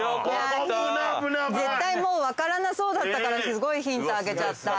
絶対もう分からなそうだったからすごいヒントあげちゃった。